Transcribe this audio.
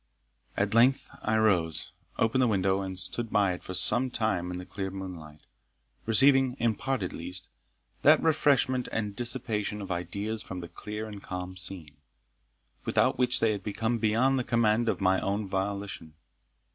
At length I arose, opened the window, and stood by it for some time in the clear moonlight, receiving, in part at least, that refreshment and dissipation of ideas from the clear and calm scene, without which they had become beyond the command of my own volition.